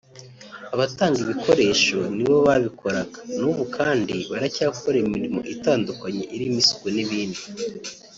abatanga ibikoresho ni bo babikoraga n’ubu kandi baracyakora imirimo itandukanye irimo isuku n’ibindi